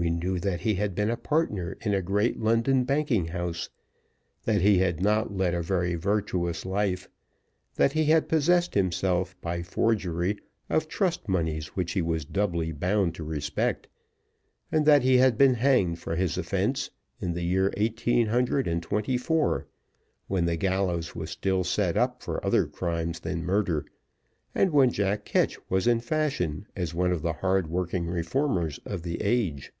We knew that he had been a partner in a great London banking house; that he had not led a very virtuous life; that he had possessed himself, by forgery, of trust moneys which he was doubly bound to respect; and that he had been hanged for his offense, in the year eighteen hundred and twenty four, when the gallows was still set up for other crimes than murder, and when Jack Ketch was in fashion as one of the hard working reformers of the age.